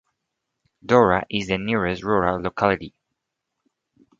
Dora is the nearest rural locality.